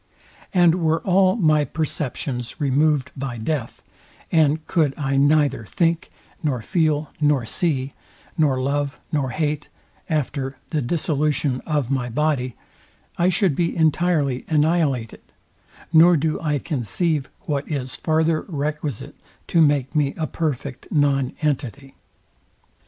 And were all my perceptions removed by death, and could I neither think, nor feel, nor see, nor love, nor hate after the dissolution of my body, I should be entirely annihilated, nor do I conceive what is farther requisite to make me a perfect non entity.